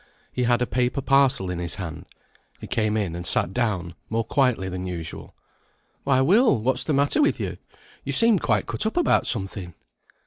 He had a paper parcel in his hand. He came in, and sat down, more quietly than usual. "Why, Will! what's the matter with you? You seem quite cut up about something!"